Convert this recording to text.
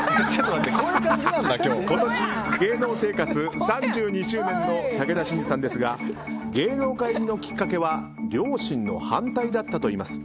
今年、芸能生活３２周年の武田真治さんですが芸能界入りのきっかけは両親の反対だったといいます。